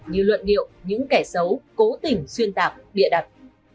như luận điệu những kẻ xấu cố tình xuyên tạc bịa đặt